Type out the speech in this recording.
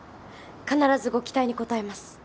必ずご期待に応えます。